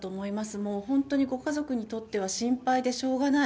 もう本当にご家族にとっては心配でしょうがない。